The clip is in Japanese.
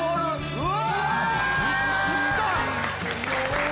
・うわ！